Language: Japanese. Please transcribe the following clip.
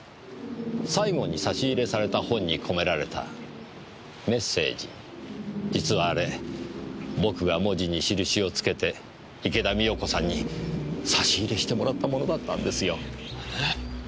最後に差し入れされた本に込められたメッセージ実はあれ僕が文字に印を付けて池田美代子さんに差し入れしてもらったものだったんですよ。えっ？